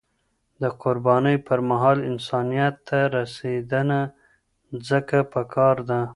د قربانی پر مهال، انسانیت ته رسیدنه ځکه پکار ده.